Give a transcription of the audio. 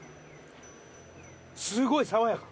すごい爽やか。